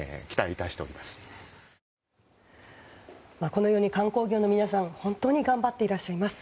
このように観光業の皆さん本当に頑張っていらっしゃいます。